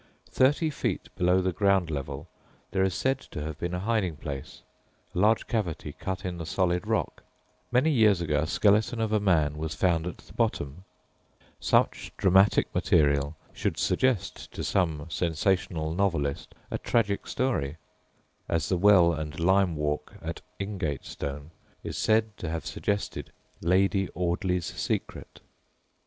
Thirty feet below the ground level there is said to have been a hiding place a large cavity cut in the solid rock. Many years ago a skeleton of a man was found at the bottom. Such dramatic material should suggest to some sensational novelist a tragic story, as the well and lime walk at Ingatestone is said to have suggested Lady Audley's Secret.